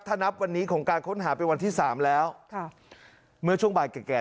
ถ้านับวันนี้ของการค้นหาเป็นวันที่สามแล้วค่ะเมื่อช่วงบ่ายแก่แก่